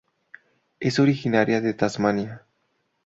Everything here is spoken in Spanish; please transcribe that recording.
Es originaria de Tasmania.